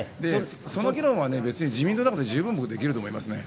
その議論は自民党の中で十分できると思いますね。